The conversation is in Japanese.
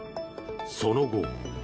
その後。